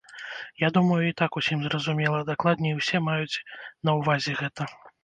Я думаю, і так усім зразумела, дакладней усе маюць на ўвазе гэта.